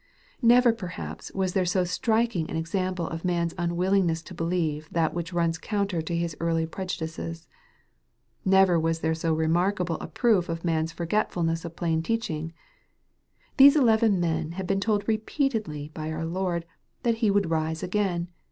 Never perhaps was there so striking an ex ample of man's unwillingness to believe that which runs counter to his early prejudices. Never was there so remarkable a proof of man's forgetfulness of plain teach ing. These eleven men had been told repeatedly by our Lord that He would rise again.